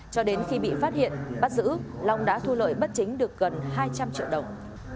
cho đến khi bị phát hiện bắt giữ long đã thu lợi bất chính được gần hai trăm linh triệu đồng